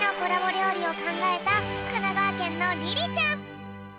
りょうりをかんがえたかながわけんのリリちゃん！